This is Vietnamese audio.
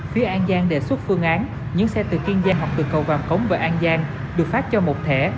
phía an giang đề xuất phương án những xe từ kiên giang hoặc từ cầu vàm cống về an giang được phát cho một thẻ